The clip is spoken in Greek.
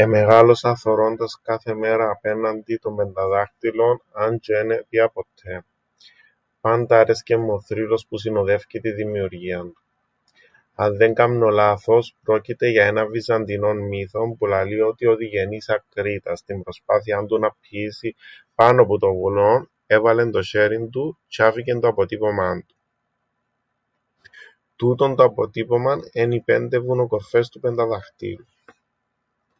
Εμεγάλωσα θωρώντας κάθε μέρα απέναντι τον Πενταδάχτυλον αν τζ̆αι εν επήα ποττέ. Πάντα άρεσκεν μου ο θρύλος που συνοδεύκει την δημιουργίαν του. Αν δεν κάμνω λάθος, πρόκειται για έναν βυζαντινόν μύθον που λαλεί ότι ο Διγενής Ακρίτας στην προσπάθειάν του να ππηήσει πάνω που το βουνόν έβαλεν το σ̆έριν του τζ̆αι άφηκεν το αποτύπωμάν του. Τούτον το αποτύπωμαν εν' οι πέντε βουνοκορφές του Πενταδαχτύλου...